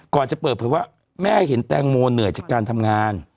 ก่อนจะเปิดเผยว่าแม่เห็นแตงโมเหนื่อยจากการทำงาน